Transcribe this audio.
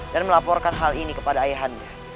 dan melaporkan hal ini kepada ayah anda